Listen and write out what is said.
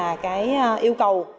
những cái yêu cầu